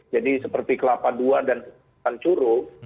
jadi seperti kelapa ii dan tanjuru